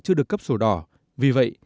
chưa được cấp sổ đỏ vì vậy